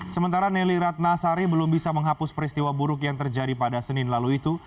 sementara nelly ratna sari belum bisa menghapus peristiwa buruk yang terjadi pada senin lalu itu